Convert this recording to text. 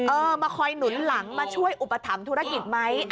มาคอยหนุนหลังมาช่วยอุปถัมภธุรกิจไหม